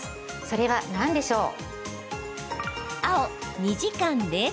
それは何でしょう？